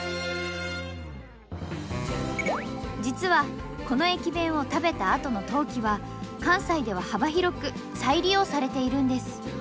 実はこの駅弁を食べたあとの陶器は関西では幅広く再利用されているんです。